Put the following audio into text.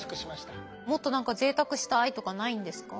もっと何かぜいたくしたいとかないんですか？